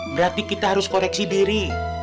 berarti kita harus koreksi diri